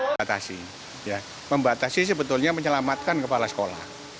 membatasi ya membatasi sebetulnya menyelamatkan kepala sekolah